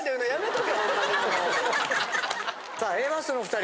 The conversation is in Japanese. さあＡマッソのお２人。